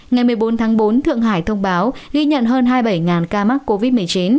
ngày một mươi bốn tháng bốn thượng hải thông báo ghi nhận hơn hai mươi bảy ca mắc covid một mươi chín